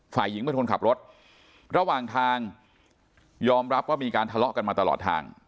ฝ่ายหญิงเป็นคนขับรถระหว่างทางยอมรับว่ามีการทะเลาะกันมาตลอดทาง